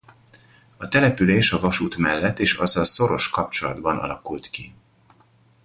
A település a vasút mellett és azzal szoros kapcsolatban alakult ki.